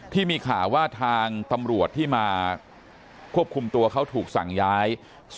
ที่มีข่าวว่าทางตำรวจที่มาควบคุมตัวเขาถูกสั่งย้าย